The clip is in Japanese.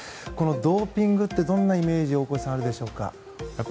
ドーピングってどんなイメージあるでしょうか大越さん。